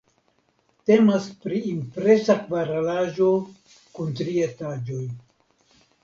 Temas pri impresa kvaralaĵo kun tri etaĝoj.